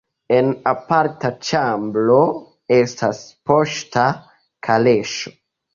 En aparta ĉambro estas poŝta kaleŝo.